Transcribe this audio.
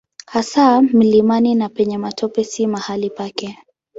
Hasa mlimani na penye matope si mahali pake.